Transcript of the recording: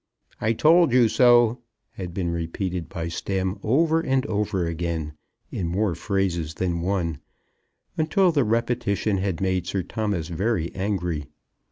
"I told you so," had been repeated by Stemm over and over again, in more phrases than one, until the repetition had made Sir Thomas very angry.